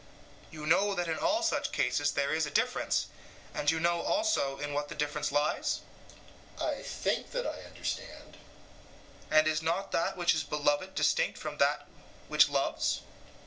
You know that in all such cases there is a difference, and you know also in what the difference lies? EUTHYPHRO: I think that I understand. SOCRATES: And is not that which is beloved distinct from that which loves?